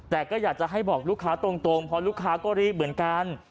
แต่ก็อยากจะให้บอกลูกค้าตรงเพราะลูกค้าก็รีบเหมือนกัน